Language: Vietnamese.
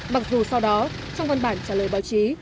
mặc dù sau đó trong văn bản trả lời báo chí